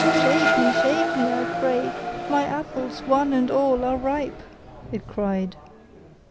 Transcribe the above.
'Shake me, shake me, I pray; my apples, one and all, are ripe,' it cried.